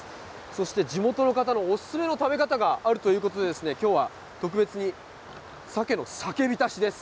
そして、地元の方のお勧めの食べ方があるということですので、きょうは特別にサケの酒びたしです。